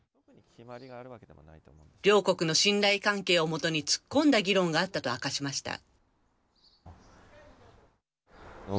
両国の信頼関係を基に突っ込んだ議論があったと明かしました。